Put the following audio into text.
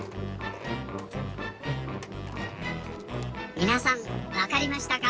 みなさんわかりましたか？